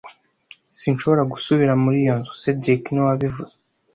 Sinshobora gusubira muri iyo nzu cedric niwe wabivuze